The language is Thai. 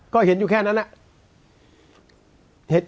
ก็เห็นอยู่แค่นั้น